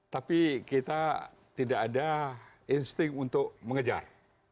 tapi kita tidak ada insting untuk mengejar